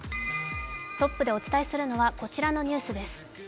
トップでお伝えするのはこちらのニュースです。